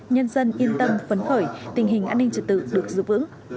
nhân dân yên tâm phấn khởi tình hình an ninh trật tự được giữ vững